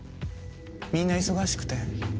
みんな忙しくて。